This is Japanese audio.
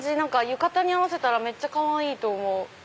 浴衣に合わせたらめっちゃかわいいと思う。